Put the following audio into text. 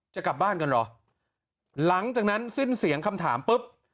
จะกลับบ้านกันเหรอหลังจากนั้นสิ้นเสียงคำถามปุ๊บ